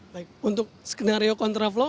baik untuk skenario kontra flow